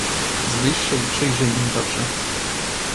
"Zbliż się i przyjrzyj im dobrze!"